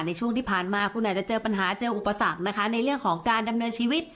ในช่วงที่ผ่านมาคุณอาจจะเจอปัญหาเจออุปสรรคนะคะในเรื่องของการดำเนินชีวิต